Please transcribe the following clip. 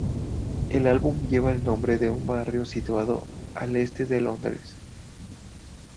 El álbum lleva el nombre de un barrio situado al este de Londres.